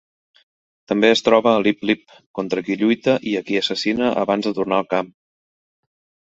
També es troba a Lip-Lip, contra qui lluita i a qui assassina abans de tornar al camp.